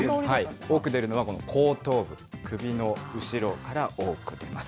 多く出るのは、この後頭部、首の後ろから多く出ます。